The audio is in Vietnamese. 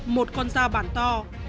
một con dao bản to